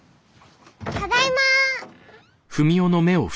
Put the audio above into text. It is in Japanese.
ただいま。